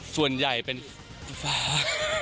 ส่วนใหญ่เป็นฟ้า